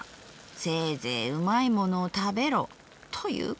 せいぜいうまいものを食べろということさ』。